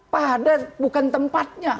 pada bukan tempatnya